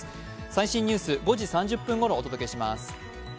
最新ニュース、５時３０分ごろお届けします。